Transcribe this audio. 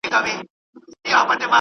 د مزاج یووالی تر بل هر څه اړین دی.